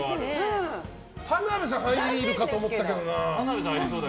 田辺さん入るかと思ったけどな。